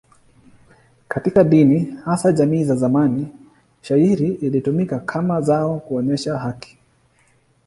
Katika dini, hasa jamii za zamani, shayiri ilitumika kama zao kuonyesha haki.